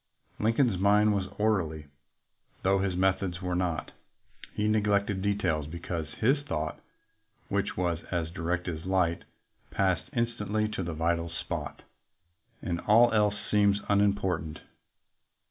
Lincoln's mind was orderly, though his methods were not. He neglected details because his thought, which was "as direct as light," passed instantly to the vital spot, and all else seemed unimportant.